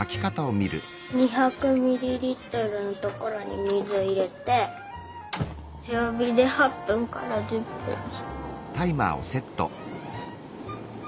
２００ミリリットルのところに水を入れてつよ火で８ぷんから１０ぷんうん。